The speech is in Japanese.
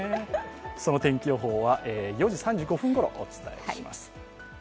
その天気予報は４時３５分ごろお伝えいたします。